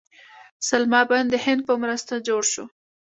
سلما بند د هند په مرسته جوړ شو